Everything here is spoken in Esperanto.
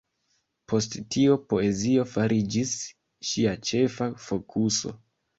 Post tio, poezio fariĝis ŝia ĉefa fokuso.